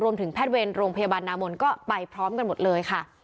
แพทย์เวรโรงพยาบาลนามนก็ไปพร้อมกันหมดเลยค่ะ